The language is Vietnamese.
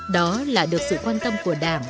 đó là được sự quan tâm của đảng